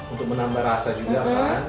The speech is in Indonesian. untuk menambah rasa juga kan